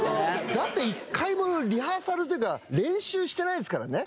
だって一回もリハーサルというか練習してないですからね。